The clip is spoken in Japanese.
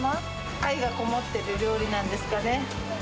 愛が込もってる料理なんですかね。